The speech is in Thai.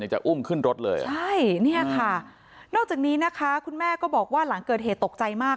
จะอุ้มขึ้นรถเลยเหรอใช่เนี่ยค่ะนอกจากนี้นะคะคุณแม่ก็บอกว่าหลังเกิดเหตุตกใจมาก